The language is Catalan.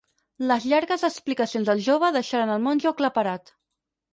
Les llargues explicacions del jove deixaran el monjo aclaparat.